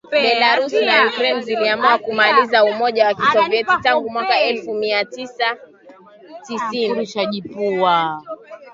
Belarus na Ukraine ziliamua kumaliza Umoja wa KisovyetiTangu mwaka elfu moja mia tisa tisini